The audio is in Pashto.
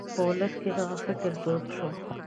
په ولس کې دغه فکر دود شو.